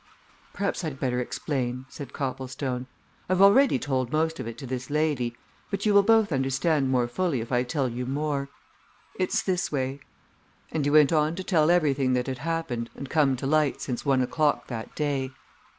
"Perhaps I'd better explain," said Copplestone. "I've already told most of it to this lady, but you will both understand more fully if I tell you more. It's this way " and he went on to tell everything that had happened and come to light since one o'clock that day.